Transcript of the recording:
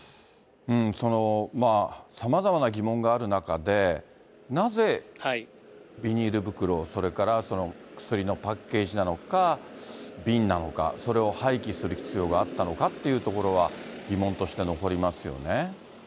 さまざまな疑問がある中で、なぜビニール袋、それから薬のパッケージなのか瓶なのか、それを廃棄する必要があったのかっていうところは、疑問として残りますよね。